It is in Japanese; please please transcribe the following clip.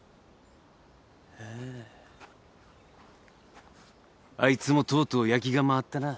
あぁあいつもとうとう焼きが回ったな。